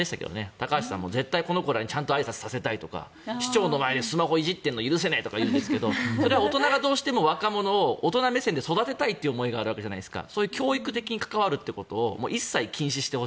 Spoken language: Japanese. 高橋さんも絶対この子らにちゃんとあいさつさせたいとか市長の前でスマホをいじってるなんて許せないっていうんですけどそれは大人がどうしても若者を大人目線で育てたいという思いがあるからじゃないですか。